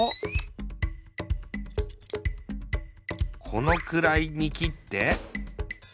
このくらいにきって。